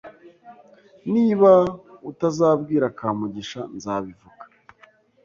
Niba utazabwira Kamugisha, nzabivuga.